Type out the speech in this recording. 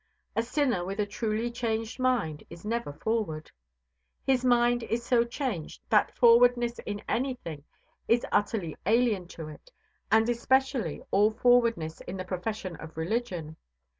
A sinner with a truly changed mind is never forward. His mind is so changed that forwardness in anything is utterly alien to it, and especially all forwardness in the profession of religion.